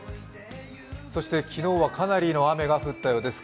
そして、昨日はかなりの雨が降ったようです。